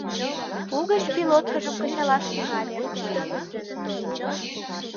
Угыч пилоткыжым кычалаш тӱҥале